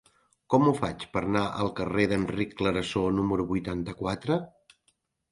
Com ho faig per anar al carrer d'Enric Clarasó número vuitanta-quatre?